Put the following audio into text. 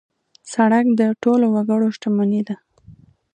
سړک د ټولو وګړو شتمني ده.